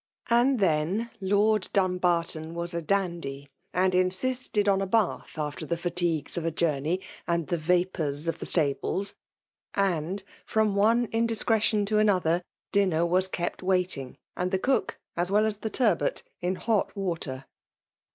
And then, 118 FEMALE DOMINATION. Lord Dumbarton was a dandy^ and insisted on a bath after the fatigues of a journey and the vapours of the stables ; and, from one in discretion to another, dinner was kept waiting, and the cook, as well as the turbot, in hot water.